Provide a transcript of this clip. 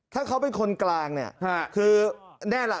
ถ้าเขาเป็นคนกลางเนี่ยคือแน่ล่ะ